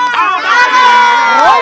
siapa yang mau